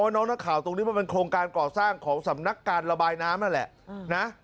น้องนักข่าวตรงนี้มันเป็นโครงการก่อสร้างของสำนักการระบายน้ำนั่นแหละนะ